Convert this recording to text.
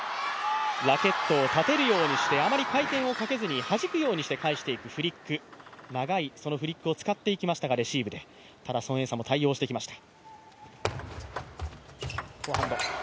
ラケットを立てるようにして、あまり回転をかけずにはじくように返していくフリック、レシーブで長いフリックを使っていきましたが、ただ孫エイ莎も対応してきました。